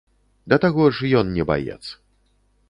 Да таго ж ён не баец.